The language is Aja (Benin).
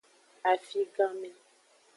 Afiganme.